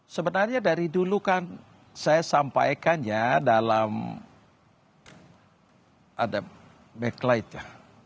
sebenarnya dari dulu kan saya sampaikan ya dalam ada backlight ya